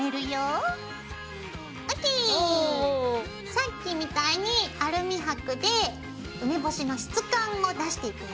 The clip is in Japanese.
さっきみたいにアルミはくで梅干しの質感を出していくよ。